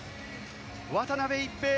渡辺一平